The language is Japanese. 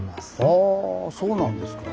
はぁそうなんですか。